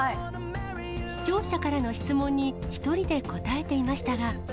視聴者からの質問に１人で答えていましたが。